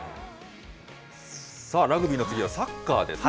さあ、ラグビーの次はサッカーですか。